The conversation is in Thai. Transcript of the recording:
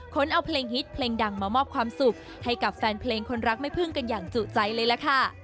คนเอาเพลงฮิตเพลงดังมามอบความสุขให้กับแฟนเพลงคนรักแม่พึ่งกันอย่างจุใจเลยล่ะค่ะ